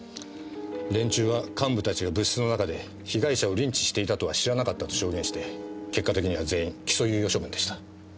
連中は幹部たちが部室の中で被害者をリンチしていたとは知らなかったと証言して結果的には全員起訴猶予処分でした。